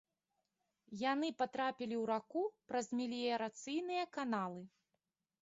Яны патрапілі ў раку праз меліярацыйныя каналы.